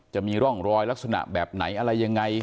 จะมีร่องรอยลักษณะแบบไหนอะไรยังไง